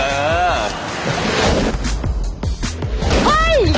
โหสนุกจังเยอะเลย